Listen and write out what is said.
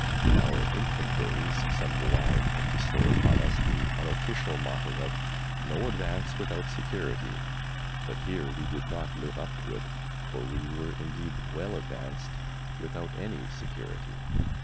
In our infant days some wag had bestowed upon us the unofficial motto of "No advance without security," but here we did not live up to it, for we were indeed well advanced without any security.